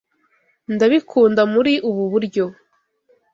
Ndabikunda muri ubu buryo.